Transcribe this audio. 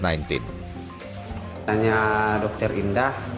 saya tanya dokter indah